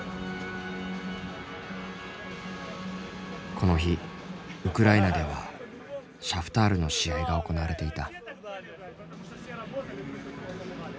この日ウクライナではシャフタールの試合が行われていた。